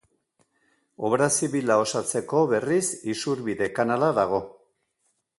Obra zibila osatzeko, berriz, isurbide-kanala dago.